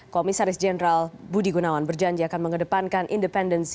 komisaris jenderal budi gunawan berjanji akan mengedepankan independensi